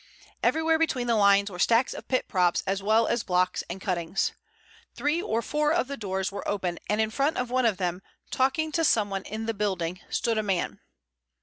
Everywhere between the lines were stacks of pit props as well as blocks and cuttings. Three or four of the doors were open, and in front of one of them, talking to someone in the building, stood a man.